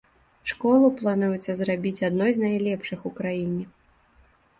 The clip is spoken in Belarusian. Школу плануецца зрабіць адной з найлепшых у краіне.